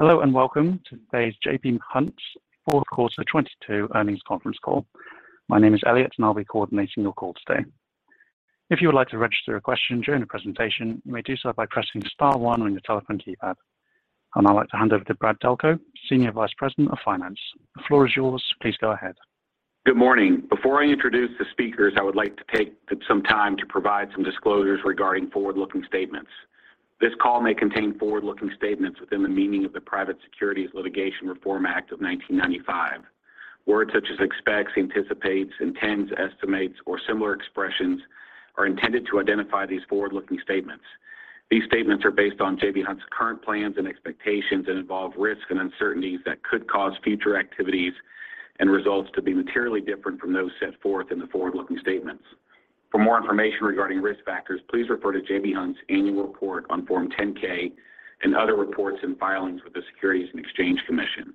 Hello, welcome to today's J.B. Hunt fourth quarter 2022 earnings conference call. My name is Elliot. I'll be coordinating your call today. If you would like to register a question during the presentation, you may do so by pressing star one on your telephone keypad. I'd now like to hand over to Brad Delco, Senior Vice President of Finance. The floor is yours. Please go ahead. Good morning. Before I introduce the speakers, I would like to take some time to provide some disclosures regarding forward-looking statements. This call may contain forward-looking statements within the meaning of the Private Securities Litigation Reform Act of 1995. Words such as expects, anticipates, intends, estimates, or similar expressions are intended to identify these forward-looking statements. These statements are based on J.B. Hunt's current plans and expectations and involve risks and uncertainties that could cause future activities and results to be materially different from those set forth in the forward-looking statements. For more information regarding risk factors, please refer to J.B. Hunt's annual report on Form 10-K and other reports and filings with the Securities and Exchange Commission.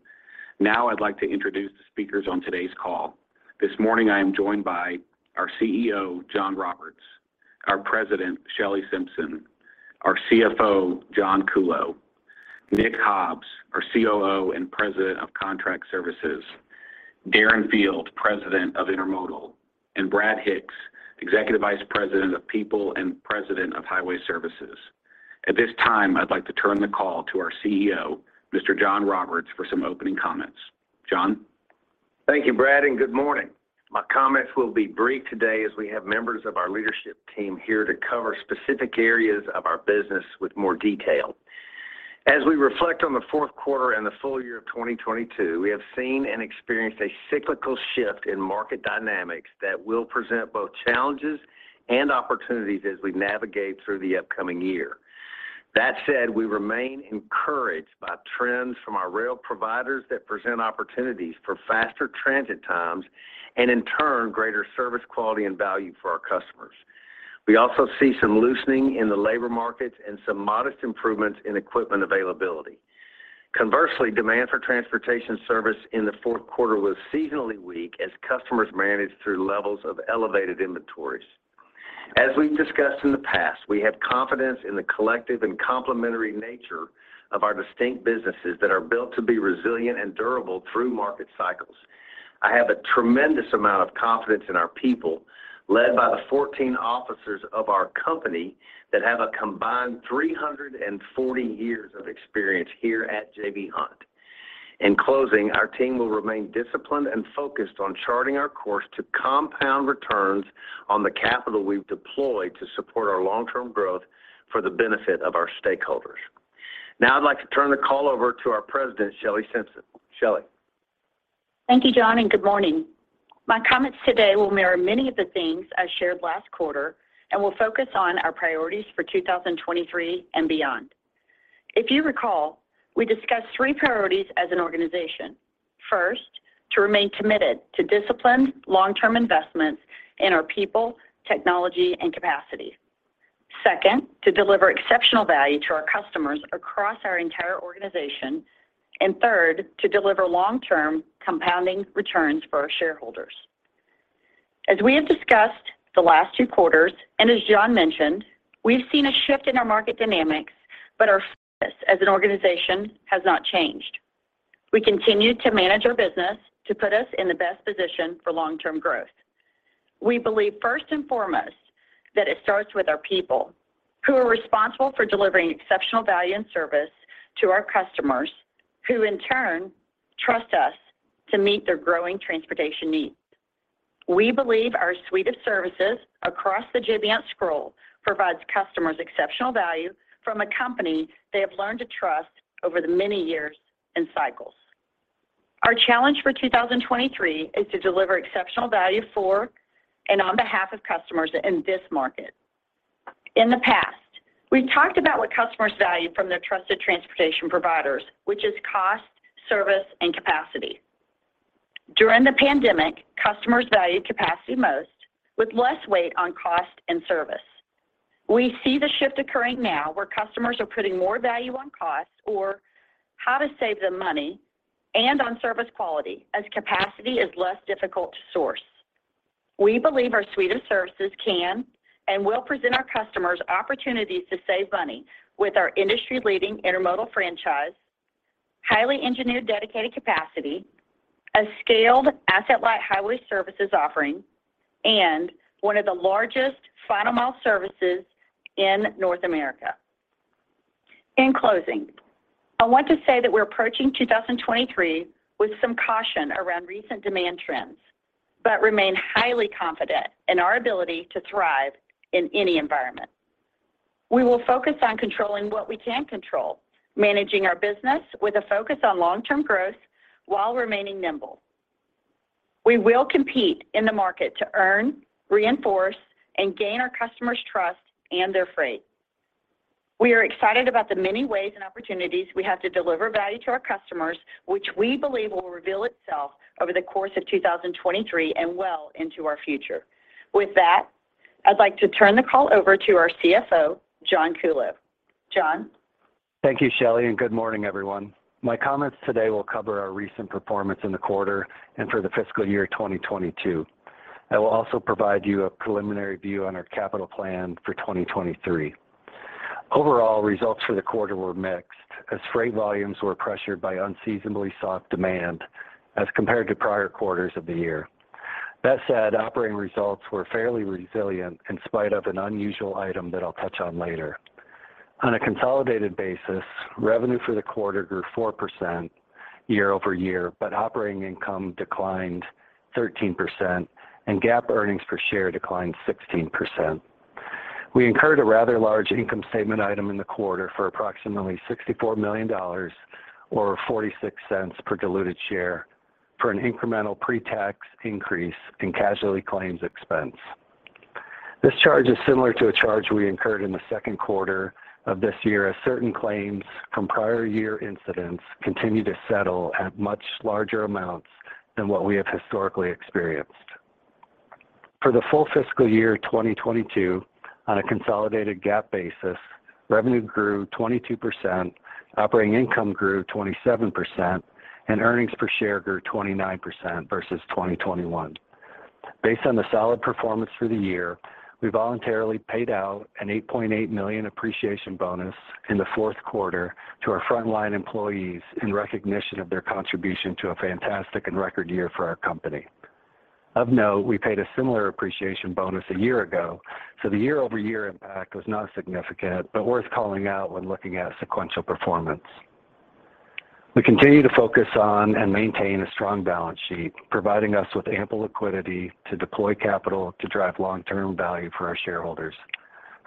Now I'd like to introduce the speakers on today's call. This morning, I am joined by our CEO, John Roberts, our President, Shelley Simpson, our CFO, John Kuhlow, Nick Hobbs, our COO and President of Contract Services, Darren Field, President of Intermodal, and Brad Hicks, Executive Vice President of People and President of Highway Services. At this time, I'd like to turn the call to our CEO, Mr. John Roberts, for some opening comments. John. Thank you, Brad. Good morning. My comments will be brief today as we have members of our leadership team here to cover specific areas of our business with more detail. As we reflect on the fourth quarter and the full year of 2022, we have seen and experienced a cyclical shift in market dynamics that will present both challenges and opportunities as we navigate through the upcoming year. That said, we remain encouraged by trends from our rail providers that present opportunities for faster transit times and in turn, greater service quality and value for our customers. We also see some loosening in the labor markets and some modest improvements in equipment availability. Conversely, demand for transportation service in the fourth quarter was seasonally weak as customers managed through levels of elevated inventories. As we've discussed in the past, we have confidence in the collective and complementary nature of our distinct businesses that are built to be resilient and durable through market cycles. I have a tremendous amount of confidence in our people, led by the 14 officers of our company that have a combined 340 years of experience here at J.B. Hunt. In closing, our team will remain disciplined and focused on charting our course to compound returns on the capital we've deployed to support our long-term growth for the benefit of our stakeholders. Now I'd like to turn the call over to our President, Shelley Simpson. Shelley. Thank you, John, and good morning. My comments today will mirror many of the themes I shared last quarter and will focus on our priorities for 2023 and beyond. If you recall, we discussed three priorities as an organization. First, to remain committed to disciplined long-term investments in our people, technology, and capacity. Second, to deliver exceptional value to our customers across our entire organization. Third, to deliver long-term compounding returns for our shareholders. As we have discussed the last two quarters, and as John mentioned, we've seen a shift in our market dynamics, our focus as an organization has not changed. We continue to manage our business to put us in the best position for long-term growth. We believe first and foremost that it starts with our people who are responsible for delivering exceptional value and service to our customers, who in turn trust us to meet their growing transportation needs. We believe our suite of services across the J.B. Hunt scroll provides customers exceptional value from a company they have learned to trust over the many years and cycles. Our challenge for 2023 is to deliver exceptional value for and on behalf of customers in this market. In the past, we've talked about what customers value from their trusted transportation providers, which is cost, service, and capacity. During the pandemic, customers valued capacity most with less weight on cost and service. We see the shift occurring now where customers are putting more value on cost or how to save them money and on service quality as capacity is less difficult to source. We believe our suite of services can and will present our customers opportunities to save money with our industry-leading intermodal franchise, highly engineered, dedicated capacity, a scaled asset-light highway services offering, and one of the largest final mile services in North America. In closing, I want to say that we're approaching 2023 with some caution around recent demand trends, but remain highly confident in our ability to thrive in any environment. We will focus on controlling what we can control, managing our business with a focus on long-term growth while remaining nimble. We will compete in the market to earn, reinforce, and gain our customers' trust and their freight. We are excited about the many ways and opportunities we have to deliver value to our customers, which we believe will reveal itself over the course of 2023 and well into our future. With that, I'd like to turn the call over to our CFO, John Kuhlow. John. Thank you, Shelley, and good morning, everyone. My comments today will cover our recent performance in the quarter and for the fiscal year 2022. I will also provide you a preliminary view on our capital plan for 2023. Overall, results for the quarter were mixed as freight volumes were pressured by unseasonably soft demand as compared to prior quarters of the year. Operating results were fairly resilient in spite of an unusual item that I'll touch on later. On a consolidated basis, revenue for the quarter grew 4% year-over-year, but operating income declined 13% and GAAP earnings per share declined 16%. We incurred a rather large income statement item in the quarter for approximately $64 million or $0.46 per diluted share for an incremental pre-tax increase in casualty claims expense. This charge is similar to a charge we incurred in the second quarter of this year as certain claims from prior year incidents continue to settle at much larger amounts than what we have historically experienced. For the full fiscal year 2022, on a consolidated GAAP basis, revenue grew 22%, operating income grew 27%, and earnings per share grew 29% versus 2021. Based on the solid performance for the year, we voluntarily paid out an $8.8 million appreciation bonus in the fourth quarter to our frontline employees in recognition of their contribution to a fantastic and record year for our company. Of note, we paid a similar appreciation bonus a year ago, so the year-over-year impact was not significant but worth calling out when looking at sequential performance. We continue to focus on and maintain a strong balance sheet, providing us with ample liquidity to deploy capital to drive long-term value for our shareholders.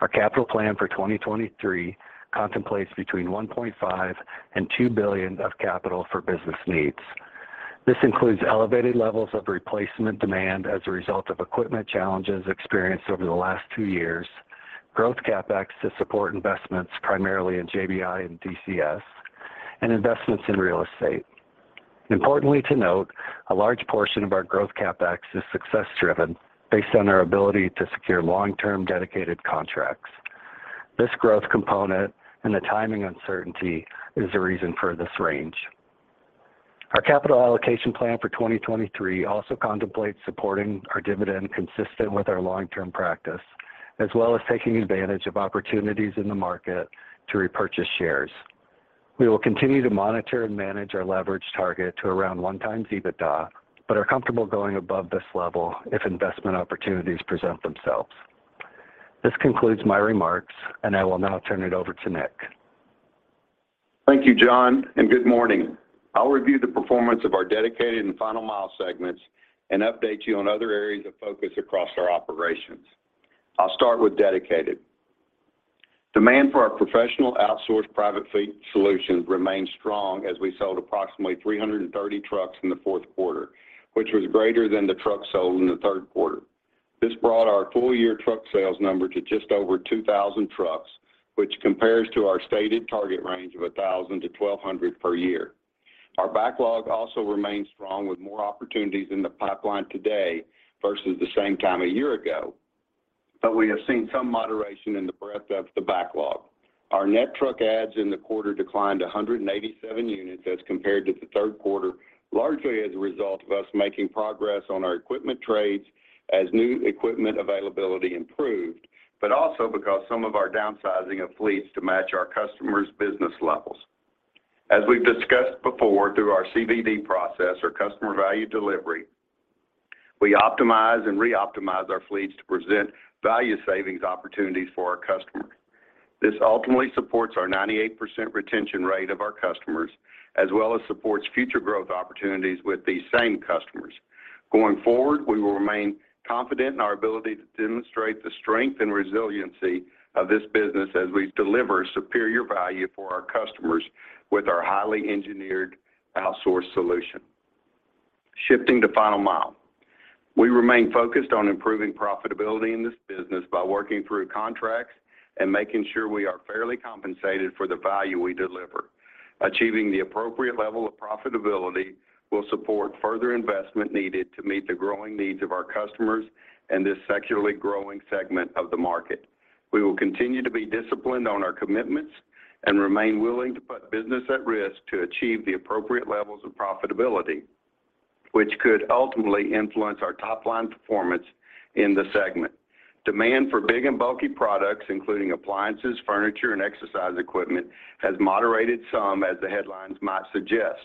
Our capital plan for 2023 contemplates between $1.5 billion and $2 billion of capital for business needs. This includes elevated levels of replacement demand as a result of equipment challenges experienced over the last 2 years, growth CapEx to support investments primarily in JBI and DCS, and investments in real estate. Importantly to note, a large portion of our growth CapEx is success driven based on our ability to secure long-term dedicated contracts. This growth component and the timing uncertainty is the reason for this range. Our capital allocation plan for 2023 also contemplates supporting our dividend consistent with our long-term practice, as well as taking advantage of opportunities in the market to repurchase shares. We will continue to monitor and manage our leverage target to around 1x EBITDA, but are comfortable going above this level if investment opportunities present themselves. This concludes my remarks, and I will now turn it over to Nick. Thank you, John. Good morning. I'll review the performance of our dedicated and final mile segments and update you on other areas of focus across our operations. I'll start with Dedicated. Demand for our professional outsourced private fleet solutions remains strong as we sold approximately 330 trucks in the fourth quarter, which was greater than the trucks sold in the third quarter. This brought our full-year truck sales number to just over 2,000 trucks, which compares to our stated target range of 1,000-1,200 per year. Our backlog also remains strong with more opportunities in the pipeline today versus the same time a year ago. We have seen some moderation in the breadth of the backlog. Our net truck adds in the quarter declined to 187 units as compared to the third quarter, largely as a result of us making progress on our equipment trades as new equipment availability improved, also because some of our downsizing of fleets to match our customers' business levels. As we've discussed before through our CVD process or customer value delivery, we optimize and re-optimize our fleets to present value savings opportunities for our customers. This ultimately supports our 98% retention rate of our customers as well as supports future growth opportunities with these same customers. Going forward, we will remain confident in our ability to demonstrate the strength and resiliency of this business as we deliver superior value for our customers with our highly engineered outsource solution. Shifting to Final Mile. We remain focused on improving profitability in this business by working through contracts and making sure we are fairly compensated for the value we deliver. Achieving the appropriate level of profitability will support further investment needed to meet the growing needs of our customers in this secularly growing segment of the market. We will continue to be disciplined on our commitments and remain willing to put business at risk to achieve the appropriate levels of profitability, which could ultimately influence our top-line performance in the segment. Demand for big and bulky products, including appliances, furniture, and exercise equipment, has moderated some as the headlines might suggest.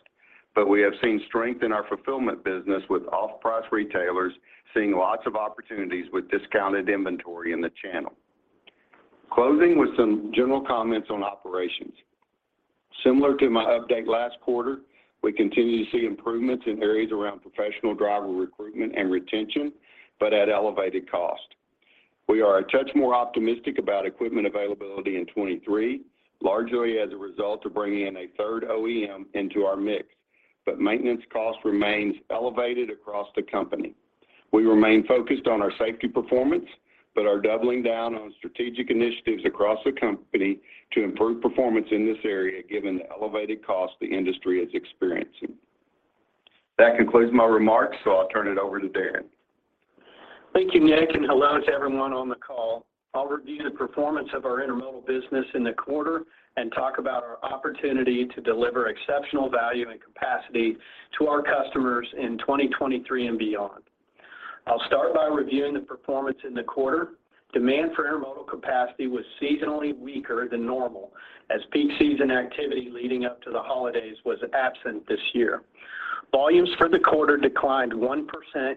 We have seen strength in our fulfillment business with off-price retailers seeing lots of opportunities with discounted inventory in the channel. Closing with some general comments on operations. Similar to my update last quarter, we continue to see improvements in areas around professional driver recruitment and retention, at elevated cost. We are a touch more optimistic about equipment availability in 2023, largely as a result of bringing in a third OEM into our mix, maintenance cost remains elevated across the company. We remain focused on our safety performance, are doubling down on strategic initiatives across the company to improve performance in this area given the elevated cost the industry is experiencing. That concludes my remarks, I'll turn it over to Darren. Thank you, Nick. Hello to everyone on the call. I'll review the performance of our intermodal business in the quarter and talk about our opportunity to deliver exceptional value and capacity to our customers in 2023 and beyond. I'll start by reviewing the performance in the quarter. Demand for intermodal capacity was seasonally weaker than normal as peak season activity leading up to the holidays was absent this year. Volumes for the quarter declined 1%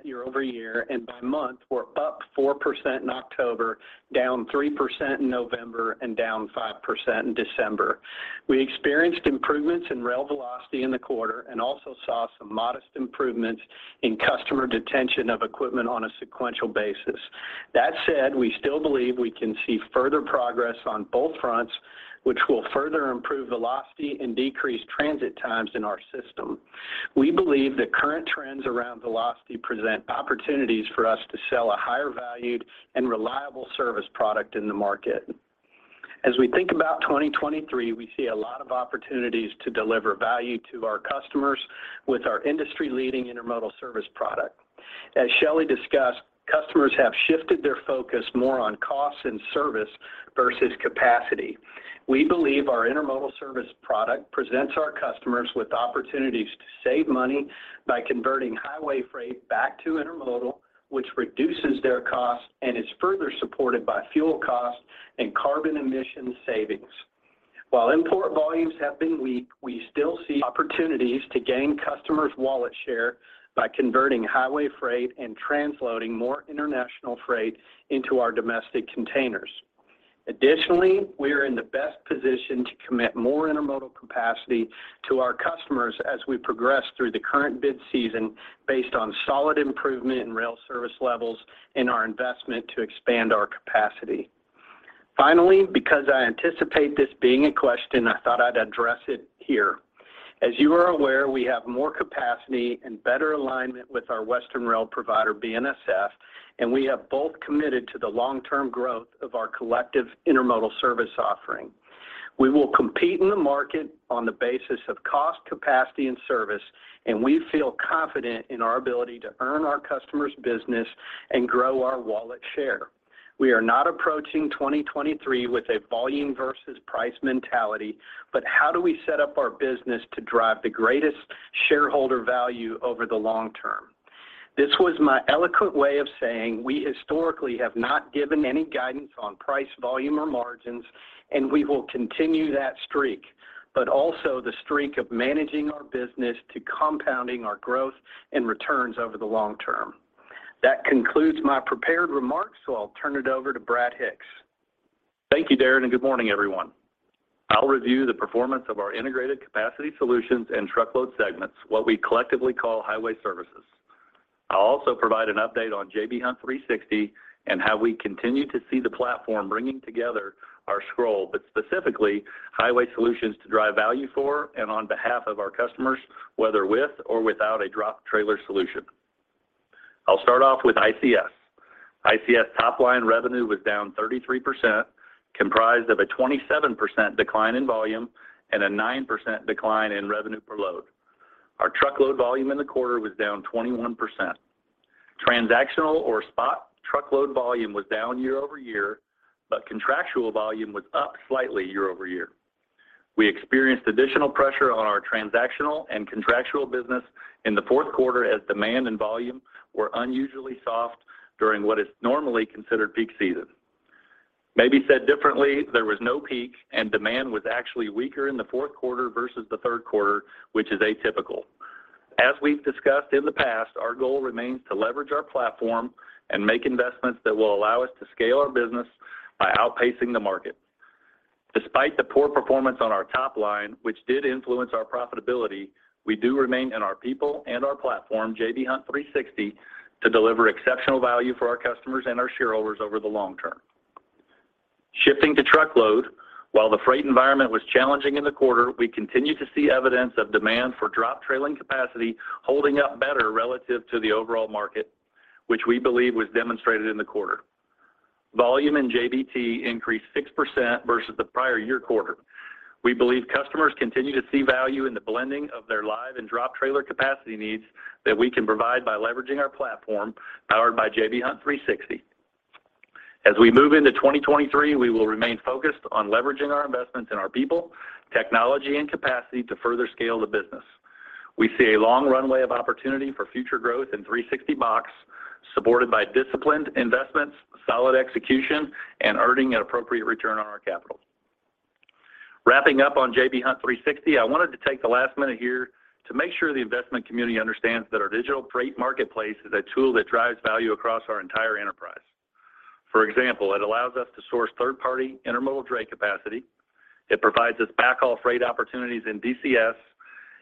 year-over-year, and by month were up 4% in October, down 3% in November, and down 5% in December. We experienced improvements in rail velocity in the quarter and also saw some modest improvements in customer detention of equipment on a sequential basis. That said, we still believe we can see further progress on both fronts, which will further improve velocity and decrease transit times in our system. We believe that current trends around velocity present opportunities for us to sell a higher valued and reliable service product in the market. As we think about 2023, we see a lot of opportunities to deliver value to our customers with our industry-leading intermodal service product. As Shelley discussed, customers have shifted their focus more on cost and service versus capacity. We believe our intermodal service product presents our customers with opportunities to save money by converting highway freight back to intermodal, which reduces their costs and is further supported by fuel costs and carbon emission savings. While import volumes have been weak, we still see opportunities to gain customers' wallet share by converting highway freight and transloading more international freight into our domestic containers. Additionally, we are in the best position to commit more intermodal capacity to our customers as we progress through the current bid season based on solid improvement in rail service levels and our investment to expand our capacity. Finally, because I anticipate this being a question, I thought I'd address it here. As you are aware, we have more capacity and better alignment with our Western rail provider, BNSF, and we have both committed to the long-term growth of our collective intermodal service offering. We will compete in the market on the basis of cost, capacity, and service, and we feel confident in our ability to earn our customers' business and grow our wallet share. We are not approaching 2023 with a volume versus price mentality, but how do we set up our business to drive the greatest shareholder value over the long term? This was my eloquent way of saying we historically have not given any guidance on price, volume, or margins, and we will continue that streak, but also the streak of managing our business to compounding our growth and returns over the long term. That concludes my prepared remarks. I'll turn it over to Brad Hicks. Thank you, Darren. Good morning, everyone. I'll review the performance of our integrated capacity solutions and truckload segments, what we collectively call Highway Services. I'll also provide an update on J.B. Hunt 360° and how we continue to see the platform bringing together our scroll, but specifically Highway Solutions to drive value for and on behalf of our customers, whether with or without a drop trailer solution. I'll start off with ICS. ICS top line revenue was down 33%, comprised of a 27% decline in volume and a 9% decline in revenue per load. Our truckload volume in the quarter was down 21%. Transactional or spot truckload volume was down year-over-year, but contractual volume was up slightly year-over-year. We experienced additional pressure on our transactional and contractual business in the fourth quarter as demand and volume were unusually soft during what is normally considered peak season. Maybe said differently, there was no peak and demand was actually weaker in the fourth quarter versus the third quarter, which is atypical. As we've discussed in the past, our goal remains to leverage our platform and make investments that will allow us to scale our business by outpacing the market. Despite the poor performance on our top line, which did influence our profitability, we do remain in our people and our platform, J.B. Hunt 360°, to deliver exceptional value for our customers and our shareholders over the long term. Shifting to truckload, while the freight environment was challenging in the quarter, we continue to see evidence of demand for drop-trailer capacity holding up better relative to the overall market, which we believe was demonstrated in the quarter. Volume in JBT increased 6% versus the prior year quarter. We believe customers continue to see value in the blending of their live and drop-trailer capacity needs that we can provide by leveraging our platform powered by J.B. Hunt 360°. As we move into 2023, we will remain focused on leveraging our investments in our people, technology, and capacity to further scale the business. We see a long runway of opportunity for future growth in J.B. Hunt 360box, supported by disciplined investments, solid execution, and earning an appropriate return on our capital. Wrapping up on J.B. Hunt 360°, I wanted to take the last minute here to make sure the investment community understands that our digital freight marketplace is a tool that drives value across our entire enterprise. For example, it allows us to source third-party intermodal trade capacity. It provides us backhaul freight opportunities in DCS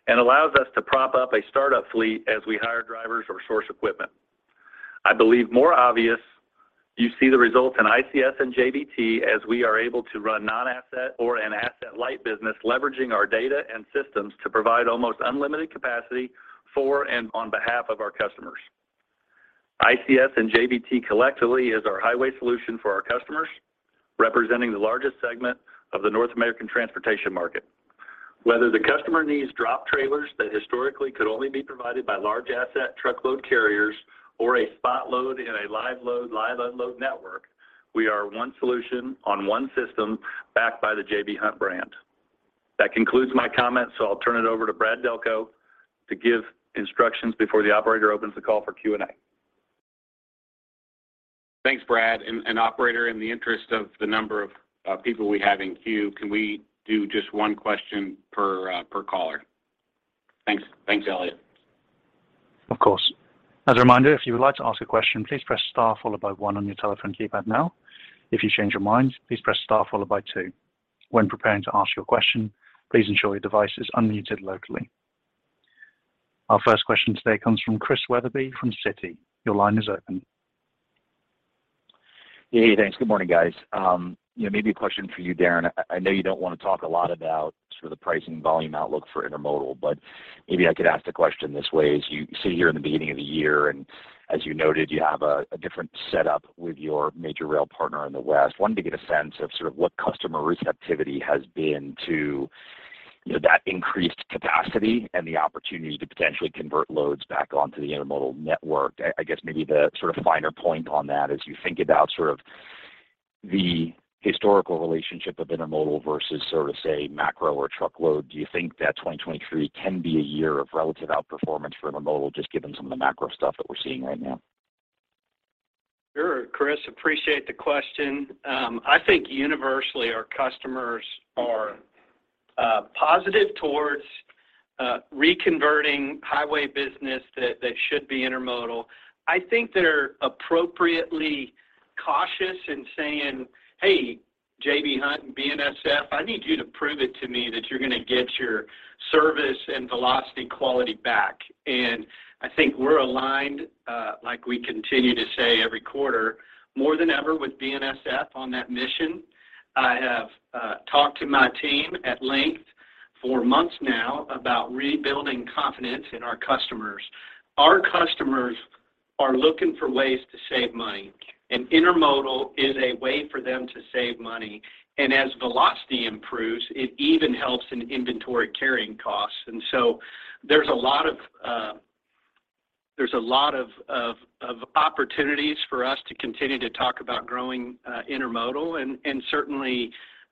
and allows us to prop up a startup fleet as we hire drivers or source equipment. I believe more obvious, you see the results in ICS and JBT as we are able to run non-asset or an asset-light business leveraging our data and systems to provide almost unlimited capacity for and on behalf of our customers. ICS and JBT collectively is our highway solution for our customers, representing the largest segment of the North American transportation market. Whether the customer needs drop trailers that historically could only be provided by large asset truckload carriers or a spot load in a live load, live unload network, we are one solution on one system backed by the J.B. Hunt brand. That concludes my comments. I'll turn it over to Brad Delco to give instructions before the operator opens the call for Q&A. Thanks, Brad. Operator, in the interest of the number of people we have in queue, can we do just one question per caller? Thanks, Elliot. Of course. As a reminder, if you would like to ask a question, please press star followed by one on your telephone keypad now. If you change your mind, please press star followed by two. When preparing to ask your question, please ensure your device is unmuted locally. Our first question today comes from Chris Wetherbee from Citi. Your line is open. Yeah. Thanks. Good morning, guys. You know, maybe a question for you, Darren. I know you don't want to talk a lot about sort of the pricing volume outlook for intermodal, but maybe I could ask the question this way. As you sit here in the beginning of the year, and as you noted, you have a different setup with your major rail partner in the West. Wanted to get a sense of sort of what customer receptivity has been to, you know, that increased capacity and the opportunities to potentially convert loads back onto the intermodal network. I guess maybe the sort of finer point on that as you think about sort of the historical relationship of intermodal versus sort of, say, macro or truckload, do you think that 2023 can be a year of relative outperformance for intermodal, just given some of the macro stuff that we're seeing right now? Sure, Chris. Appreciate the question. I think universally our customers are positive towards reconverting highway business that should be intermodal. I think they're appropriately cautious in saying, "Hey, J.B. Hunt and BNSF, I need you to prove it to me that you're going to get your service and velocity quality back." I think we're aligned like we continue to say every quarter, more than ever with BNSF on that mission. I have talked to my team at length for months now about rebuilding confidence in our customers. Our customers are looking for ways to save money, and intermodal is a way for them to save money. As velocity improves, it even helps in inventory carrying costs. There's a lot of opportunities for us to continue to talk about growing intermodal. Certainly,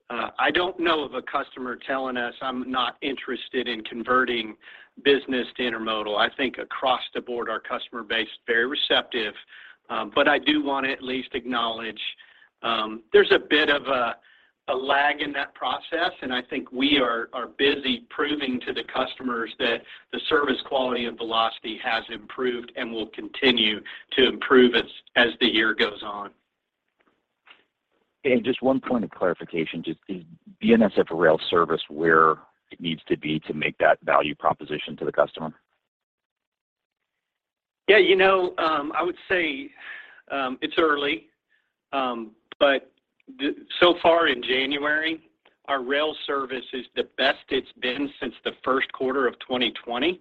I don't know of a customer telling us, "I'm not interested in converting business to intermodal." I think across the board, our customer base is very receptive. I do want to at least acknowledge, there's a bit of a lag in that process, and I think we are busy proving to the customers that the service quality and velocity has improved and will continue to improve as the year goes on. Just one point of clarification. Just is BNSF rail service where it needs to be to make that value proposition to the customer? Yeah. You know, I would say, it's early. So far in January, our rail service is the best it's been since the first quarter of 2020.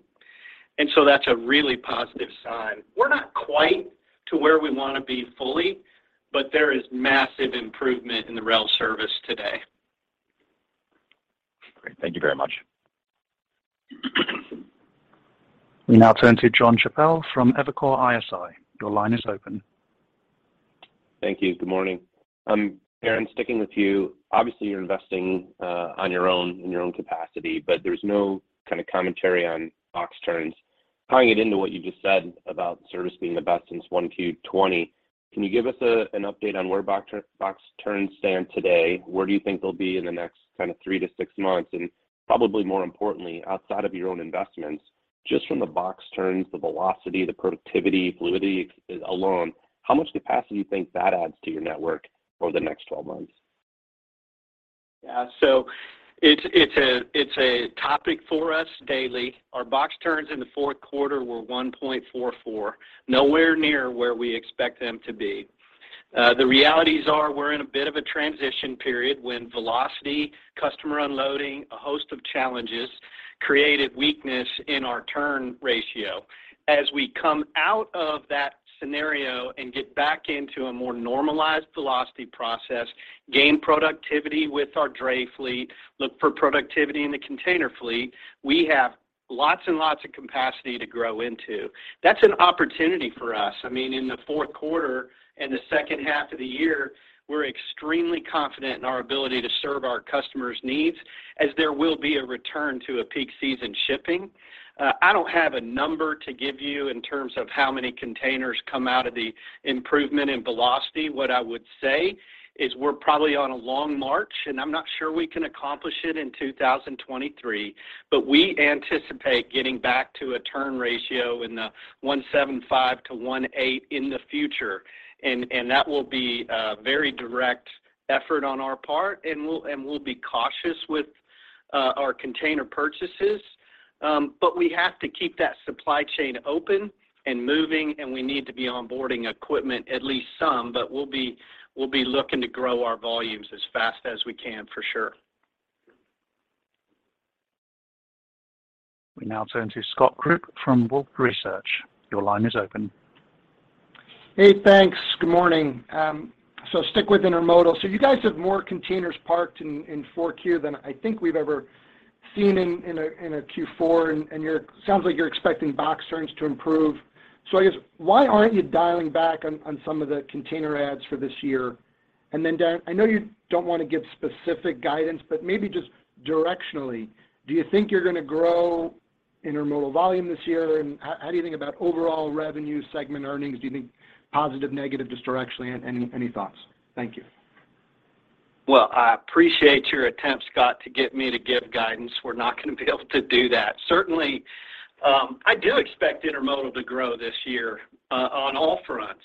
That's a really positive sign. We're not quite to where we want to be fully, but there is massive improvement in the rail service today. Great. Thank you very much. We now turn to Jon Chappell from Evercore ISI. Your line is open. Thank you. Good morning. Darren, sticking with you. Obviously, you're investing on your own in your own capacity, but there's no kind of commentary on box turns. Tying it into what you just said about service being the best since 1Q2020, can you give us an update on where box turns stand today? Where do you think they'll be in the next kind of three to six months? Probably more importantly, outside of your own investments, just from the box turns, the velocity, the productivity, fluidity alone, how much capacity do you think that adds to your network over the next 12 months? It's a topic for us daily. Our box turns in the fourth quarter were 1.44, nowhere near where we expect them to be. The realities are we're in a bit of a transition period when velocity, customer unloading, a host of challenges created weakness in our turn ratio. As we come out of that scenario and get back into a more normalized velocity process, gain productivity with our dray fleet, look for productivity in the container fleet, we have lots and lots of capacity to grow into. That's an opportunity for us. I mean, in the fourth quarter and the second half of the year, we're extremely confident in our ability to serve our customers' needs as there will be a return to a peak season shipping. I don't have a number to give you in terms of how many containers come out of the improvement in velocity. I would say is we're probably on a long march, and I'm not sure we can accomplish it in 2023, but we anticipate getting back to a turn ratio in the 1.75 to 1.8 in the future. That will be a very direct effort on our part, and we'll be cautious with our container purchases. We have to keep that supply chain open and moving, and we need to be onboarding equipment, at least some. We'll be looking to grow our volumes as fast as we can, for sure. We now turn to Scott Group from Wolfe Research. Your line is open. Hey, thanks. Good morning. Stick with Intermodal. You guys have more containers parked in 4Q than I think we've ever seen in a, in a Q4, and sounds like you're expecting box turns to improve. I guess, why aren't you dialing back on some of the container ads for this year? Then, Darren, I know you don't want to give specific guidance, but maybe just directionally, do you think you're going to grow intermodal volume this year? How do you think about overall revenue segment earnings? Do you think positive, negative, just directionally? Any thoughts? Thank you. Well, I appreciate your attempt, Scott, to get me to give guidance. We're not going to be able to do that. Certainly, I do expect intermodal to grow this year, on all fronts,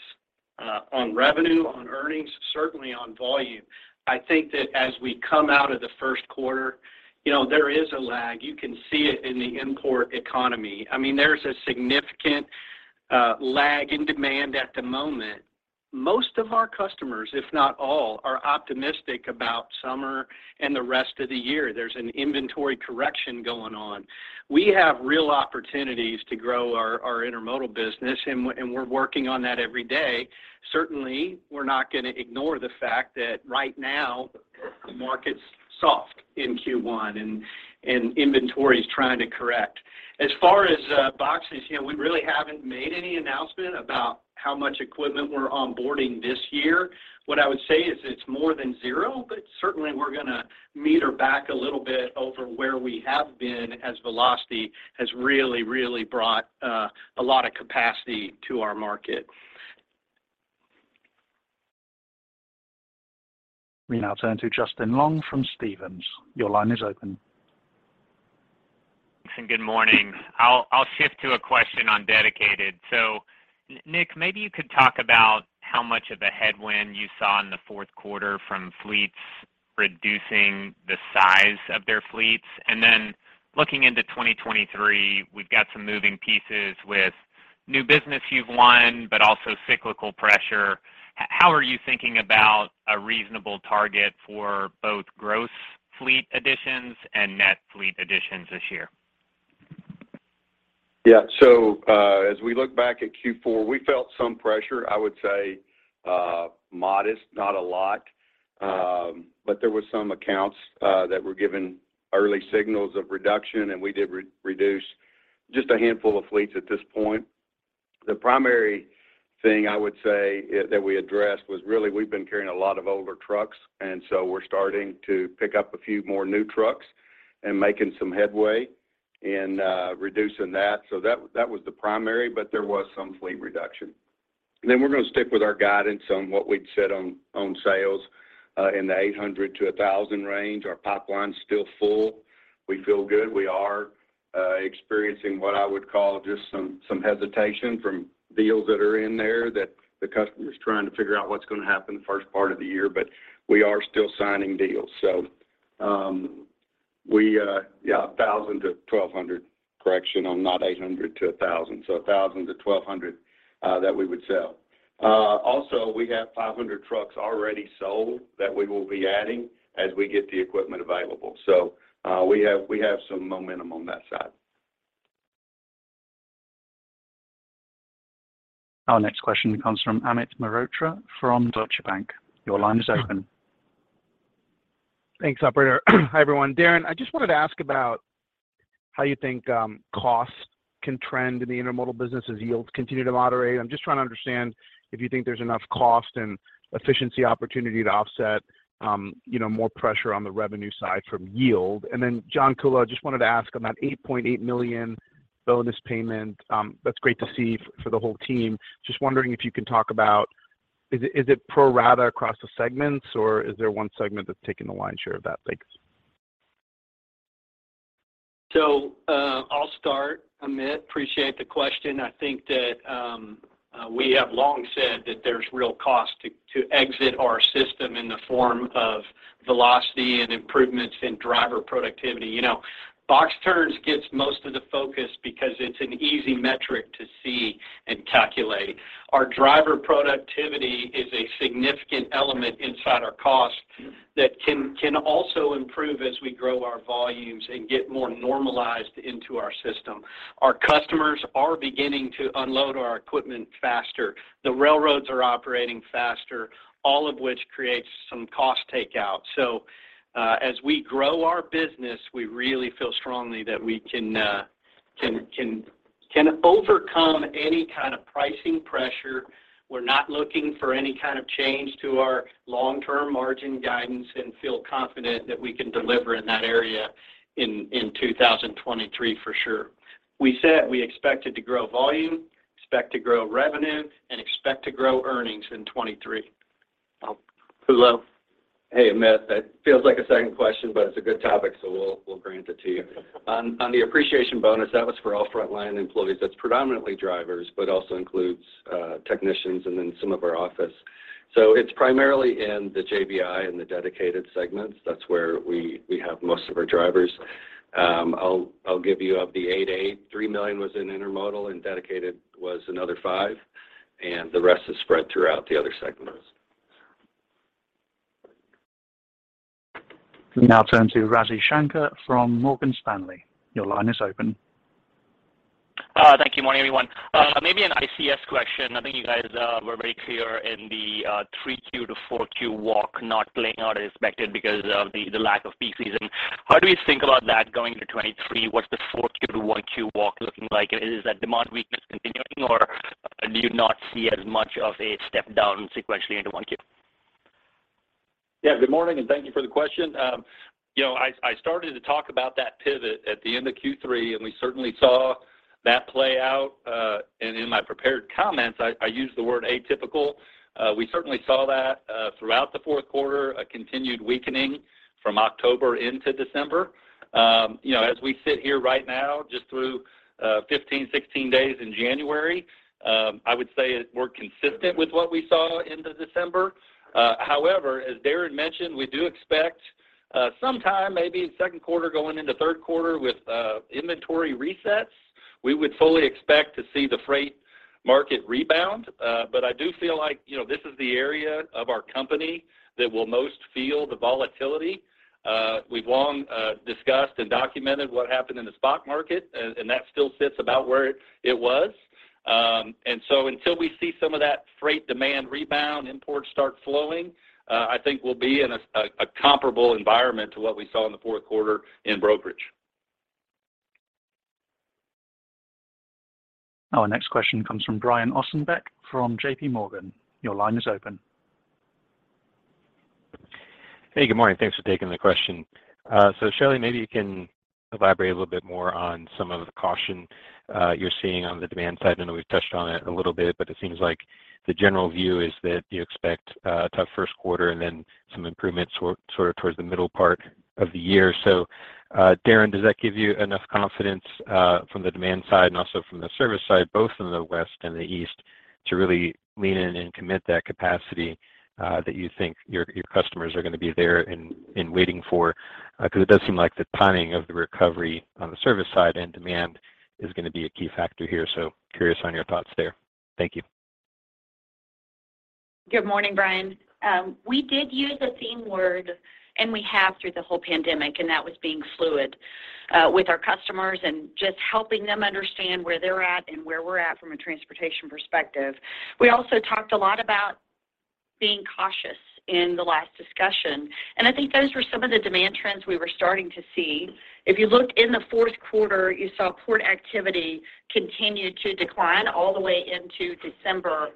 on revenue, on earnings, certainly on volume. I think that as we come out of the first quarter, you know, there is a lag. You can see it in the import economy. I mean, there's a significant lag in demand at the moment. Most of our customers, if not all, are optimistic about summer and the rest of the year. There's an inventory correction going on. We have real opportunities to grow our intermodal business, and we're working on that every day. Certainly, we're not going to ignore the fact that right now the market's soft in Q1, and inventory is trying to correct. As far as boxes, you know, we really haven't made any announcement about how much equipment we're onboarding this year. What I would say is it's more than zero, certainly we're going to meter back a little bit over where we have been as velocity has really brought a lot of capacity to our market. We now turn to Justin Long from Stephens. Your line is open. Thanks. Good morning. I'll shift to a question on Dedicated. Nick, maybe you could talk about how much of a headwind you saw in the fourth quarter from fleets reducing the size of their fleets. Then looking into 2023, we've got some moving pieces with new business you've won, but also cyclical pressure. How are you thinking about a reasonable target for both gross fleet additions and net fleet additions this year? Yeah. As we look back at Q4, we felt some pressure. I would say modest, not a lot. There were some accounts that were given early signals of reduction, and we did re-reduce just a handful of fleets at this point. The primary thing I would say that we addressed was really we've been carrying a lot of older trucks, and so we're starting to pick up a few more new trucks and making some headway in reducing that. That was the primary, but there was some fleet reduction. We're going to stick with our guidance on what we'd said on sales, in the 800 to 1,000 range. Our pipeline is still full. We feel good. We are experiencing what I would call just some hesitation from deals that are in there that the customer is trying to figure out what's going to happen the first part of the year. We are still signing deals. We, 1,000 to 1,200. Correction on not 800 to 1,000. 1,000 to 1,200 that we would sell. Also, we have 500 trucks already sold that we will be adding as we get the equipment available. We have some momentum on that side. Our next question comes from Amit Mehrotra from Deutsche Bank. Your line is open. Thanks, operator. Hi, everyone. Darren, I just wanted to ask about how you think costs can trend in the intermodal business as yields continue to moderate. I'm just trying to understand if you think there's enough cost and efficiency opportunity to offset, you know, more pressure on the revenue side from yield. Then John Kuhlow, I just wanted to ask about $8.8 million bonus payment. That's great to see for the whole team. Just wondering if you can talk about is it pro rata across the segments, or is there one segment that's taking the lion's share of that? Thanks. I'll start, Amit. Appreciate the question. I think that we have long said that there's real cost to exit our system in the form of velocity and improvements in driver productivity. You know, box turns gets most of the focus because it's an easy metric to see and calculate. Our driver productivity is a significant element inside our cost that can also improve as we grow our volumes and get more normalized into our system. Our customers are beginning to unload our equipment faster. The railroads are operating faster, all of which creates some cost takeout. As we grow our business, we really feel strongly that we can overcome any kind of pricing pressure. We're not looking for any kind of change to our long-term margin guidance and feel confident that we can deliver in that area in 2023 for sure. We said we expected to grow volume, expect to grow revenue, and expect to grow earnings in 2023. Kuhlow. Hey, Amit. That feels like a second question, but it's a good topic, so we'll grant it to you. On the appreciation bonus, that was for all frontline employees. That's predominantly drivers, but also includes technicians and then some of our office. It's primarily in the JBI and the dedicated segments. That's where we have most of our drivers. I'll give you of the $8 million, $3 million was in Intermodal and dedicated was another $5 million, and the rest is spread throughout the other segments. We now turn to Ravi Shanker from Morgan Stanley. Your line is open. Thank you. Morning, everyone. Maybe an ICS question. I think you guys were very clear in the 3Q to 4Q walk not playing out as expected because of the lack of peak season. How do we think about that going to 2023? What's the 4Q to 1Q walk looking like? Is that demand weakness continuing, or do you not see as much of a step down sequentially into 1Q? Yeah. Good morning, and thank you for the question. you know, I started to talk about that pivot at the end of Q3, and we certainly saw that play out. In my prepared comments, I used the word atypical. We certainly saw that throughout the fourth quarter, a continued weakening from October into December. you know, as we sit here right now, just through 15, 16 days in January, I would say it more consistent with what we saw end of December. As Darren mentioned, we do expect sometime maybe second quarter going into third quarter with inventory resets. We would fully expect to see the freight market rebound. I do feel like, you know, this is the area of our company that will most feel the volatility. We've long discussed and documented what happened in the spot market, and that still sits about where it was. Until we see some of that freight demand rebound, imports start flowing, I think we'll be in a comparable environment to what we saw in the fourth quarter in brokerage. Our next question comes from Brian Ossenbeck from J.P. Morgan. Your line is open. Hey, good morning. Thanks for taking the question. Shelley, maybe you can elaborate a little bit more on some of the caution you're seeing on the demand side. I know we've touched on it a little bit, but it seems like the general view is that you expect a tough first quarter and then some improvements sort of towards the middle part of the year. Darren, does that give you enough confidence from the demand side and also from the service side, both in the West and the East, to really lean in and commit that capacity that you think your customers are gonna be there and waiting for? Because it does seem like the timing of the recovery on the service side and demand is gonna be a key factor here. Curious on your thoughts there. Thank you. Good morning, Brian. We did use a theme word, and we have through the whole pandemic, and that was being fluid with our customers and just helping them understand where they're at and where we're at from a transportation perspective. We also talked a lot about being cautious in the last discussion. I think those were some of the demand trends we were starting to see. If you look in the fourth quarter, you saw port activity continue to decline all the way into December.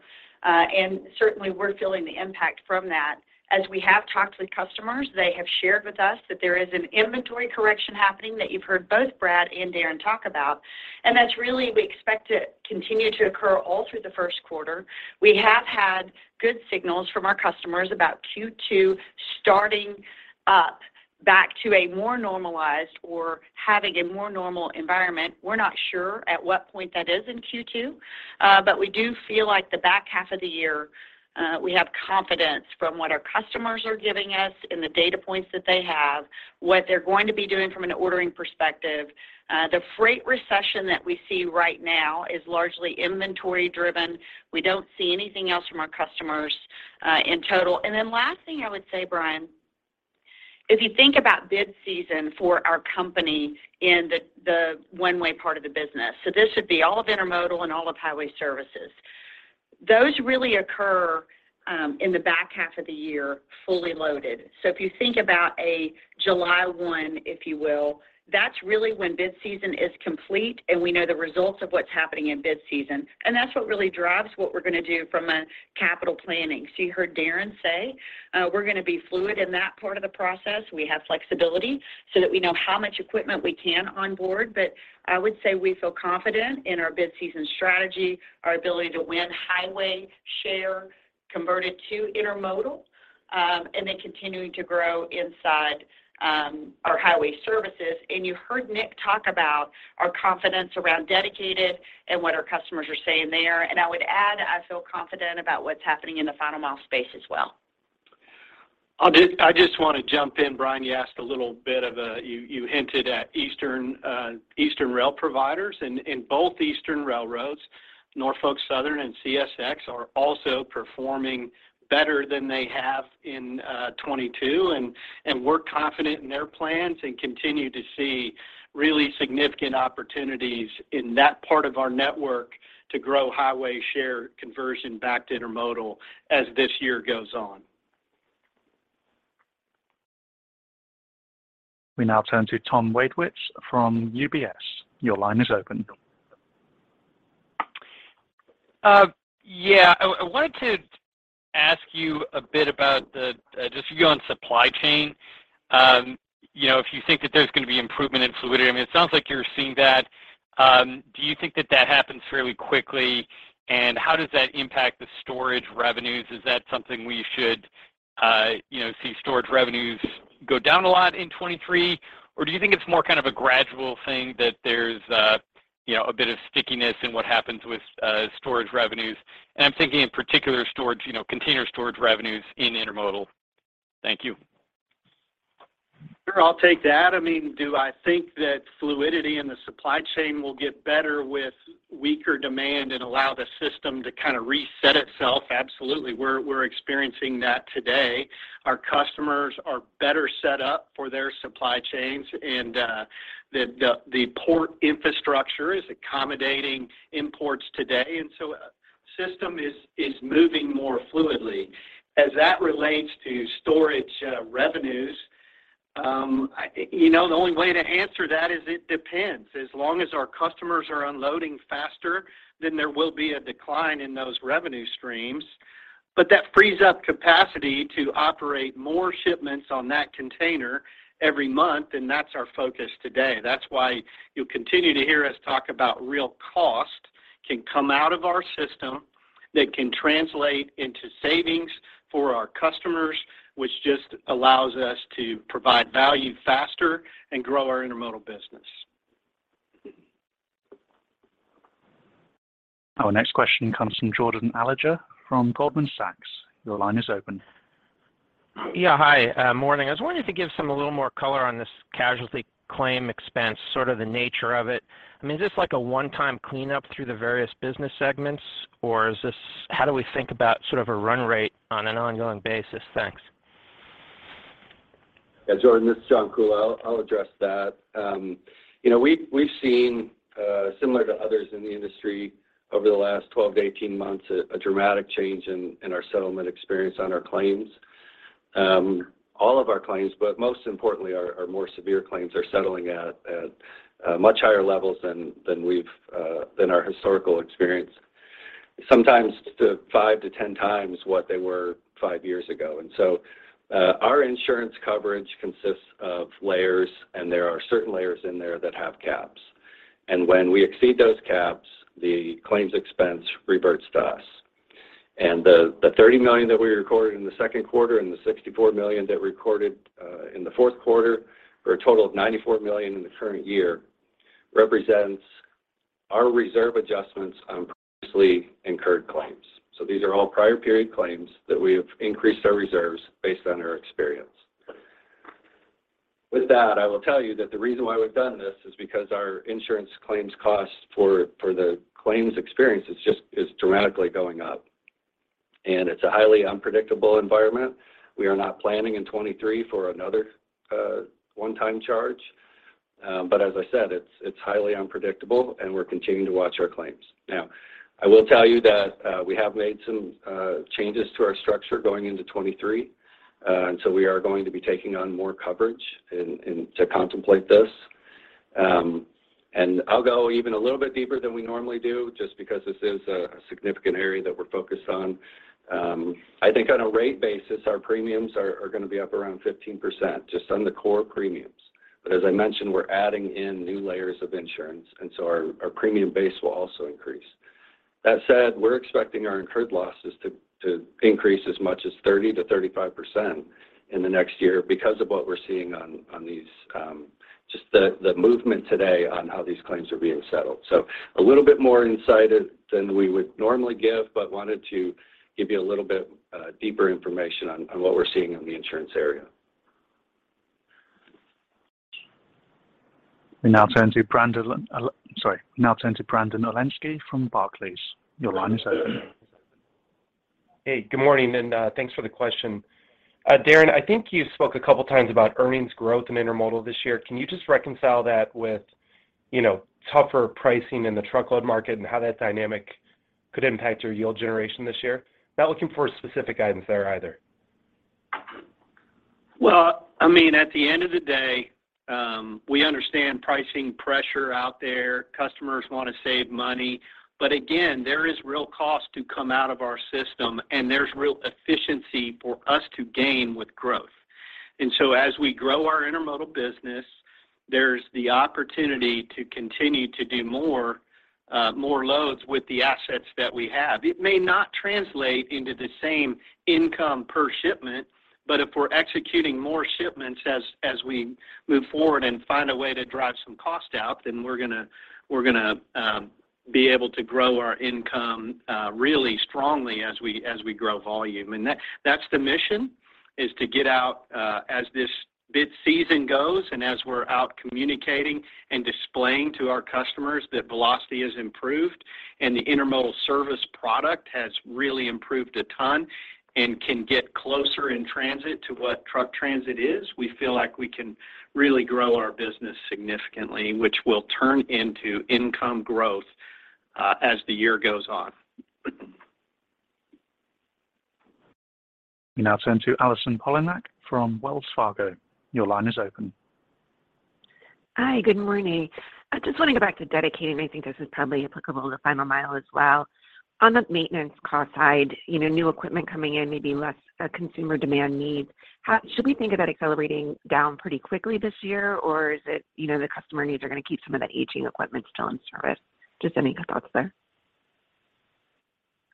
Certainly, we're feeling the impact from that. As we have talked with customers, they have shared with us that there is an inventory correction happening that you've heard both Brad and Darren talk about. That's really we expect to continue to occur all through the first quarter. We have had good signals from our customers about Q2 starting up back to a more normalized or having a more normal environment. We're not sure at what point that is in Q2, but we do feel like the back half of the year, we have confidence from what our customers are giving us and the data points that they have, what they're going to be doing from an ordering perspective. The freight recession that we see right now is largely inventory-driven. We don't see anything else from our customers, in total. Last thing I would say, Brian, if you think about bid season for our company in the one-way part of the business. This would be all of intermodal and all of highway services. Those really occur in the back half of the year, fully loaded. If you think about a July 1, if you will, that's really when bid season is complete, and we know the results of what's happening in bid season. That's what really drives what we're gonna do from a capital planning. You heard Darren say, we're gonna be fluid in that part of the process. We have flexibility so that we know how much equipment we can onboard. I would say we feel confident in our bid season strategy, our ability to win highway share converted to intermodal, and then continuing to grow inside our highway services. You heard Nick talk about our confidence around dedicated and what our customers are saying there. I would add, I feel confident about what's happening in the final mile space as well. I just want to jump in, Brian. You asked a little bit of a... You hinted at eastern rail providers. Both eastern railroads, Norfolk Southern and CSX, are also performing better than they have in 2022. We're confident in their plans and continue to see really significant opportunities in that part of our network to grow highway share conversion back to intermodal as this year goes on. We now turn to Tom Wadewitz from UBS. Your line is open. Yeah. I wanted to ask you a bit about the just your view on supply chain. You know, if you think that there's gonna be improvement in fluidity. I mean, it sounds like you're seeing that. Do you think that that happens fairly quickly? How does that impact the storage revenues? Is that something we should, you know, see storage revenues go down a lot in 2023? Or do you think it's more kind of a gradual thing that there's, you know, a bit of stickiness in what happens with storage revenues? I'm thinking in particular storage, you know, container storage revenues in intermodal. Thank you. Sure. I'll take that. I mean, do I think that fluidity in the supply chain will get better with weaker demand and allow the system to kind of reset itself? Absolutely. We're experiencing that today. Our customers are better set up for their supply chains, and the port infrastructure is accommodating imports today. System is moving more fluidly. As that relates to storage revenues, you know, the only way to answer that is it depends. As long as our customers are unloading faster, then there will be a decline in those revenue streams. That frees up capacity to operate more shipments on that container every month, and that's our focus today. That's why you'll continue to hear us talk about real cost can come out of our system that can translate into savings for our customers, which just allows us to provide value faster and grow our intermodal business. Our next question comes from Jordan Alliger from Goldman Sachs. Your line is open. Hi. Morning. I was wondering if you could give some a little more color on this casualty claim expense, sort of the nature of it. I mean, is this like a one-time cleanup through the various business segments, or is this... How do we think about sort of a run rate on an ongoing basis? Thanks. Yeah. Jordan, this is John Kuhlow. I'll address that. you know, we've seen similar to others in the industry over the last 12 to 18 months, a dramatic change in our settlement experience on our claims. All of our claims, but most importantly our more severe claims are settling at much higher levels than we've than our historical experience, sometimes 5 to 10 times what they were five years ago. Our insurance coverage consists of layers, and there are certain layers in there that have caps. When we exceed those caps, the claims expense reverts to us. The $30 million that we recorded in the second quarter, and the $64 million that recorded in the fourth quarter, for a total of $94 million in the current year, represents our reserve adjustments on previously incurred claims. These are all prior period claims that we have increased our reserves based on our experience. With that, I will tell you that the reason why we've done this is because our insurance claims costs for the claims experience is dramatically going up. It's a highly unpredictable environment. We are not planning in 2023 for another one-time charge. As I said, it's highly unpredictable, and we're continuing to watch our claims. I will tell you that we have made some changes to our structure going into 2023, and to contemplate this. I'll go even a little bit deeper than we normally do just because this is a significant area that we're focused on. I think on a rate basis, our premiums are gonna be up around 15%, just on the core premiums. As I mentioned, we're adding in new layers of insurance, and so our premium base will also increase. That said, we're expecting our incurred losses to increase as much as 30% to 35% in the next year because of what we're seeing on these, just the movement today on how these claims are being settled. A little bit more insight than we would normally give, but wanted to give you a little bit deeper information on what we're seeing in the insurance area. We now turn to Brandon Oglenski from Barclays. Your line is open. Hey, good morning, and thanks for the question. Darren, I think you spoke a couple times about earnings growth in Intermodal this year. Can you just reconcile that with, you know, tougher pricing in the truckload market and how that dynamic could impact your yield generation this year? Not looking for specific items there either. Well, I mean, at the end of the day, we understand pricing pressure out there. Customers wanna save money. Again, there is real cost to come out of our system, and there's real efficiency for us to gain with growth. As we grow our intermodal business, there's the opportunity to continue to do more loads with the assets that we have. It may not translate into the same income per shipment, but if we're executing more shipments as we move forward and find a way to drive some cost out, then we're gonna be able to grow our income really strongly as we grow volume. That's the mission, is to get out, as this bid season goes and as we're out communicating and displaying to our customers that velocity has improved and the intermodal service product has really improved a ton and can get closer in transit to what truck transit is, we feel like we can really grow our business significantly, which will turn into income growth, as the year goes on. We now turn to Allison Poliniak from Wells Fargo. Your line is open. Hi. Good morning. I just want to go back to dedicated, and I think this is probably applicable to final mile as well. On the maintenance cost side, you know, new equipment coming in, maybe less, consumer demand needs. Should we think about accelerating down pretty quickly this year, or is it, you know, the customer needs are gonna keep some of the aging equipment still in service? Just any thoughts there.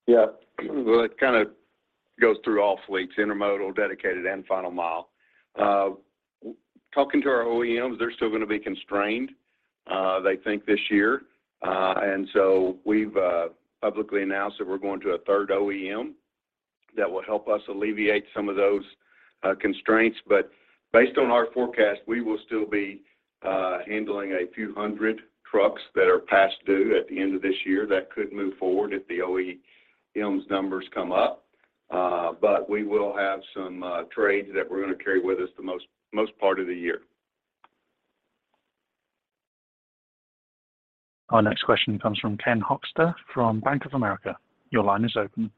Yeah. Well, it kind of goes through all fleets, intermodal, dedicated, and final mile. Talking to our OEMs, they're still gonna be constrained, they think this year. We've publicly announced that we're going to a third OEM. That will help us alleviate some of those constraints. Based on our forecast, we will still be handling a few hundred trucks that are past due at the end of this year. Could move forward if the OEM's numbers come up. We will have some trades that we're going to carry with us the most part of the year. Our next question comes from Ken Hoexter from Bank of America. Your line is open.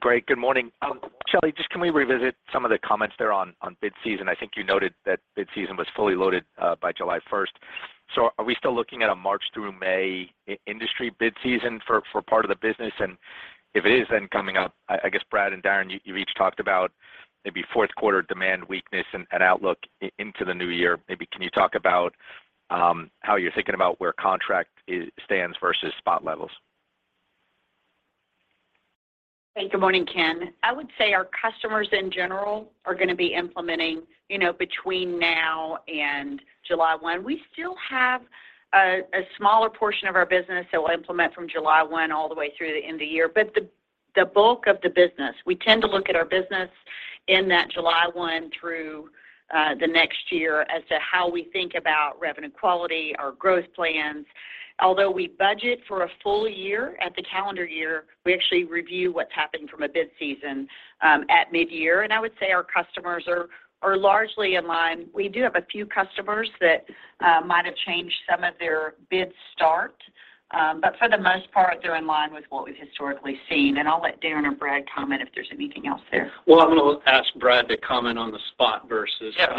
Great. Good morning. Shelley, just can we revisit some of the comments there on bid season? I think you noted that bid season was fully loaded by July 1st. Are we still looking at a March through May industry bid season for part of the business? If it is, then coming up, I guess, Brad and Darren, you each talked about maybe fourth quarter demand weakness and outlook into the new year. Can you talk about how you're thinking about where contract stands versus spot levels? Hey, good morning, Ken. I would say our customers in general are going to be implementing, you know, between now and July 1. We still have a smaller portion of our business that will implement from July 1 all the way through the end of the year. The bulk of the business, we tend to look at our business in that July 1 through the next year as to how we think about revenue quality, our growth plans. Although we budget for a full year at the calendar year, we actually review what's happened from a bid season at mid-year. I would say our customers are largely in line. We do have a few customers that might have changed some of their bid start, but for the most part, they're in line with what we've historically seen. I'll let Darren or Brad comment if there's anything else there. I'm going to ask Brad to comment on the spot versus contract.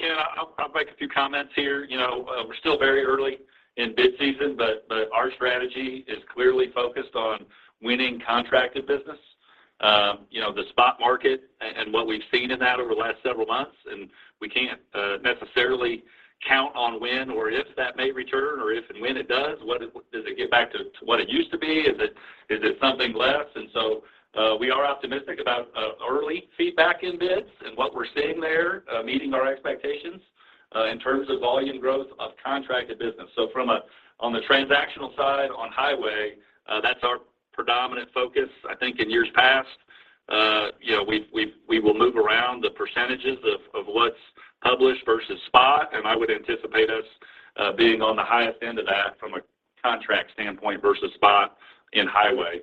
Yeah. No, Ken, I'll make a few comments here. You know, we're still very early in bid season, but our strategy is clearly focused on winning contracted business. You know, the spot market and what we've seen in that over the last several months, and we can't necessarily count on when or if that may return or if and when it does, what it does it get back to what it used to be? Is it something less? We are optimistic about early feedback in bids and what we're seeing there, meeting our expectations in terms of volume growth of contracted business. From on the transactional side on highway, that's our predominant focus. I think in years past, you know, we will move around the percentages of what's published versus spot. I would anticipate us, being on the highest end of that from a contract standpoint versus spot in highway.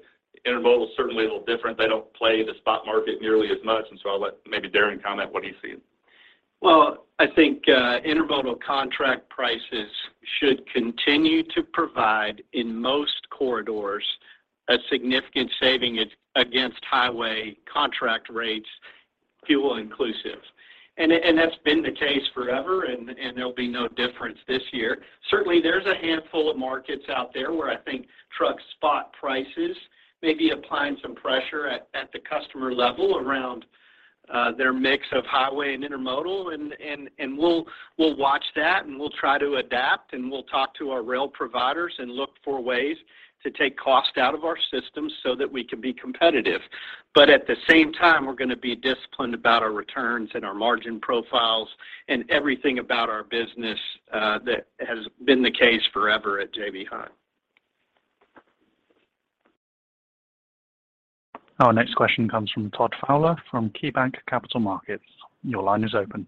Intermodal is certainly a little different. They don't play the spot market nearly as much. I'll let maybe Darren comment what he's seeing. Well, I think intermodal contract prices should continue to provide in most corridors a significant saving against highway contract rates, fuel inclusive. That's been the case forever, and there'll be no difference this year. Certainly, there's a handful of markets out there where I think truck spot prices may be applying some pressure at the customer level around their mix of highway and intermodal. We'll watch that, and we'll try to adapt, and we'll talk to our rail providers and look for ways to take cost out of our systems so that we can be competitive. At the same time, we're going to be disciplined about our returns and our margin profiles and everything about our business that has been the case forever at J.B. Hunt. Our next question comes from Todd Fowler from KeyBanc Capital Markets. Your line is open.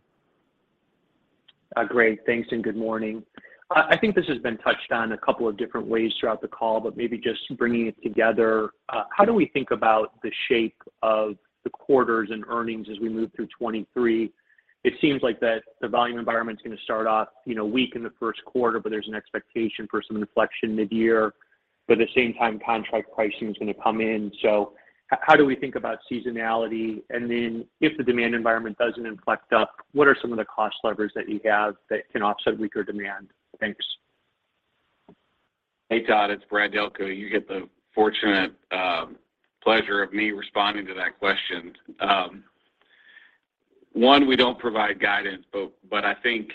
Great. Thanks, and good morning. I think this has been touched on a couple of different ways throughout the call, but maybe just bringing it together, how do we think about the shape of the quarters and earnings as we move through 2023? It seems like that the volume environment is going to start off, you know, weak in the first quarter, but there's an expectation for some inflection mid-year, but at the same time, contract pricing is going to come in. How do we think about seasonality? If the demand environment doesn't inflect up, what are some of the cost levers that you have that can offset weaker demand? Thanks. Hey, Todd. It's Brad Delco. You get the fortunate pleasure of me responding to that question. One, we don't provide guidance, but I think